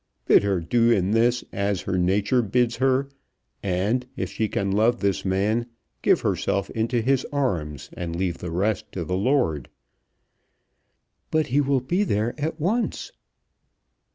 Bid her do in this as her nature bids her, and, if she can love this man, give herself into his arms and leave the rest to the Lord." "But he will be there at once."